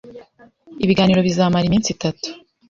Ibiganiro bizamara iminsi itatu.